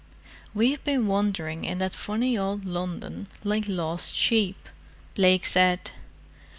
"We've been wandering in that funny old London like lost sheep," Blake said.